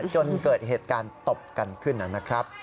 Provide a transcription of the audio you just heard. จนเกิดเหตุการณ์ตบกันขึ้นนะครับ